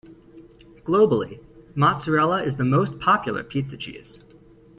Globally, Mozzarella is the most popular pizza cheese.